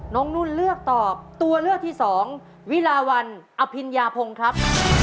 น้องรุ่นเลือกตอบตัวเลือกที่๒วิลาวัลอภิญาพงษ์ครับ